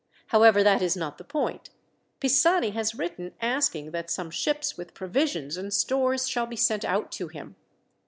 "However, that is not the point. Pisani has written asking that some ships with provisions and stores shall be sent out to him.